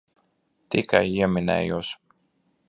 Tikai ieminējos.